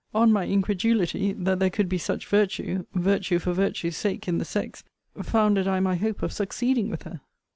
On my incredulity, that there could be such virtue (virtue for virtue's sake) in the sex, founded I my hope of succeeding with her.